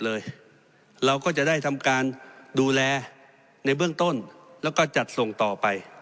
เราก็จะได้ทำการดูแลในเบื้องต้นแล้วก็จัดส่งต่อไป